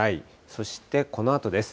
そしてこのあとです。